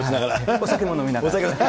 お酒も飲みながら。